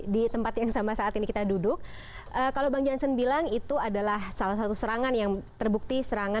di tempat yang sama saat ini kita duduk kalau bang jansen bilang itu adalah salah satu serangan yang terbukti serangan